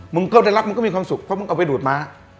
มึงก็ได้รับมึงก็มีความสุขเพราะมึงเอาไปดูดม้า